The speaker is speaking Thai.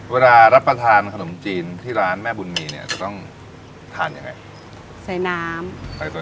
เวลารับประทานขนมจีนที่ร้านแม่บุญมีเนี่ยจะต้องทานยังไงใส่น้ำใส่ตัว